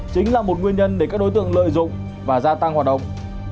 chính là một nguyên nhân để các đối tượng lợi dụng và gia tăng hoạt động